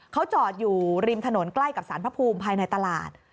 เขาจอดอยู่ริมถนนใกล้กับสารพระภูมิภายในตลาด